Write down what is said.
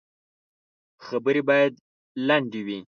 خبري باید لنډي وي .